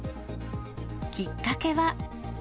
きっかけは。